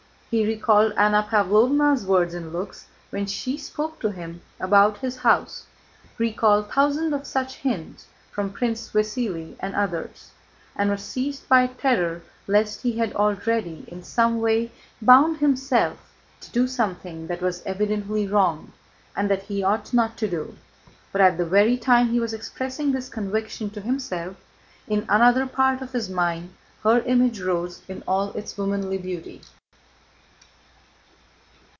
He recalled Anna Pávlovna's words and looks when she spoke to him about his house, recalled thousands of such hints from Prince Vasíli and others, and was seized by terror lest he had already, in some way, bound himself to do something that was evidently wrong and that he ought not to do. But at the very time he was expressing this conviction to himself, in another part of his mind her image rose in all its womanly beauty.